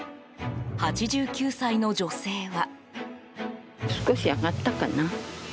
８９歳の女性は。